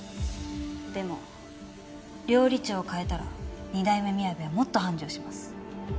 でも料理長を変えたら二代目みやべはもっと繁盛します。